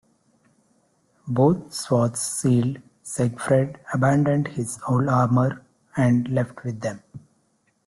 Both swords sealed, Siegfried abandoned his old armor and left with them.